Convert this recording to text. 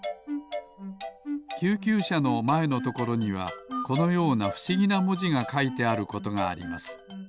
救急車のまえのところにはこのようなふしぎなもじがかいてあることがあります。